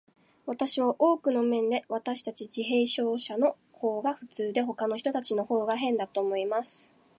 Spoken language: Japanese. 私は、多くの面で、私たち自閉症者のほうが普通で、ほかの人たちのほうが変だと思います。